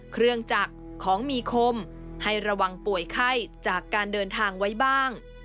เครื่องจักรของมีคมให้ระวังป่วยไข้จากการเดินทางไว้บ้าง